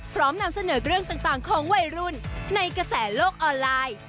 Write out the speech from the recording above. นำเสนอเรื่องต่างของวัยรุ่นในกระแสโลกออนไลน์